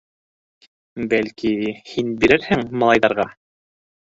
Бәлки, һин бирерһең малайҙарға?